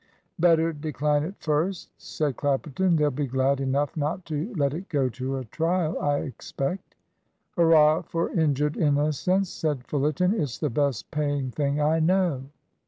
"Better decline it first," said Clapperton. "They'll be glad enough not to let it go to a trial, I expect." "Hurrah for injured innocence," said Fullerton; "it's the best paying thing I know."